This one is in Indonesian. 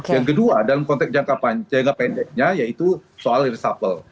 yang kedua dalam konteks jangka pendeknya yaitu soal reshuffle